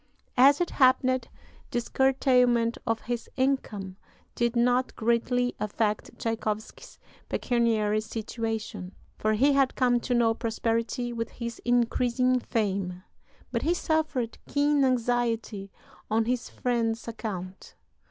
As it happened, this curtailment of his income did not greatly affect Tschaikowsky's pecuniary situation, for he had come to know prosperity with his increasing fame; but he suffered keen anxiety on his friend's account.